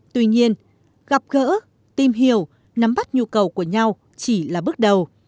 tuy nhiên gặp gỡ tìm hiểu nắm bắt nhu cầu của nhau chỉ là bước đầu